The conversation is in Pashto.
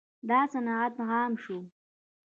دا صنعت عام شو.